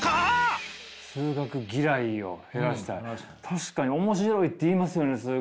確かに面白いっていいますよね数学。